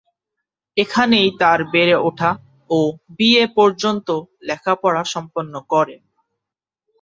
এখানেই তার বেড়ে ওঠা ও বিএ পর্যন্ত লেখাপড়া সম্পন্ন করেন।